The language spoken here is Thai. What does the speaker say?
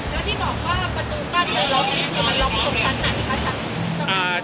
แล้วที่บอกว่าประตูกั้นไปล็อคมันล็อคตรงชั้นไหนคะ